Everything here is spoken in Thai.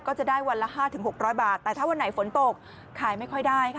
ก็จะได้วันละ๕๖๐๐บาทแต่ถ้าวันไหนฝนตกขายไม่ค่อยได้ค่ะ